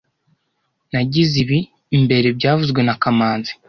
Nagize ibi mbere byavuzwe na kamanzi